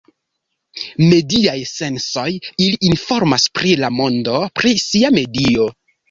Mediaj sensoj, ili informas pri la mondo; pri sia medio.